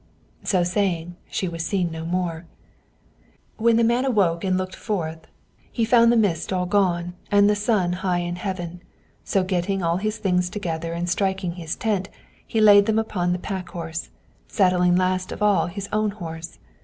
So saying, she was seen no more. When the man awoke and looked forth, he found the mist all gone and the sun high in heaven; so getting all his things together and striking his tent, he laid them upon the pack horses, saddling last of all his own horse.